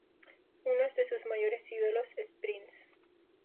Unos de sus mayores ídolos es Prince.